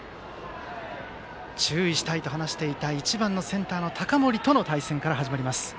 注意したいと話していた１番センター、高森との対戦から始まります。